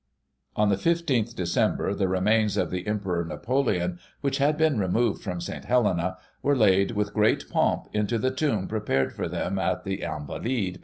On the 15 Dec. the remains of the Emperor Napoleon, which had been removed from St. Helena, were laid, with great pomp, into the tomb prepared for them at the Invalides.